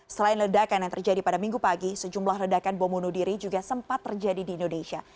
selain ledakan yang terjadi pada minggu pagi sejumlah ledakan bom bunuh diri juga sempat terjadi di indonesia